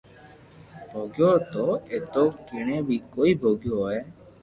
ڀوگيو ھتو ايتو ڪيڻي ڀي ڪوئي ڀوگيو ھوئي